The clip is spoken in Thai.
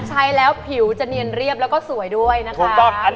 ใช้แล้วผิวจะเนียนเรียบแล้วก็สวยด้วยนะคะ